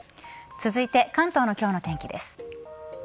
続いて関東の今日の天気です。